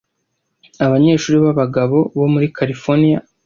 abanyeshuri b’abagabo bo muri Californiya